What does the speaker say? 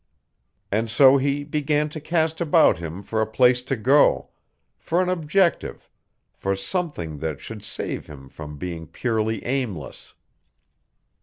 And so he began to cast about him for a place to go, for an objective, for something that should save him from being purely aimless.